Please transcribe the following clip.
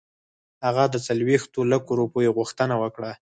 هغه د څلوېښتو لکو روپیو غوښتنه وکړه.